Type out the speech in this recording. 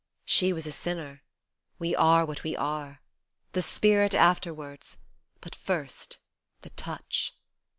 She was a sinner, we are what we are : the spirit afterwards, but first, the touch.